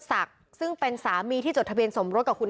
แบบนี้พี่ทุกคน